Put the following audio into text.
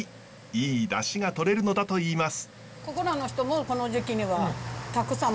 いいダシがとれるのだといいます。